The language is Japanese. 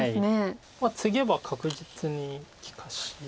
ツゲば確実に利かし。